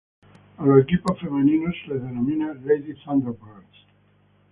A los equipos femeninos se les denomina "Lady Thunderbirds".